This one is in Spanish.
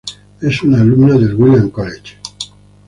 Es una alumna del Williams College.